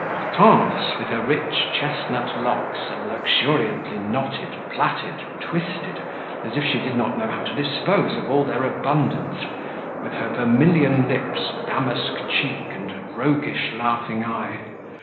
Hortense, with her rich chesnut locks so luxuriantly knotted, plaited, twisted, as if she did not know how to dispose of all their abundance, with her vermilion lips, damask cheek, and roguish laughing eye.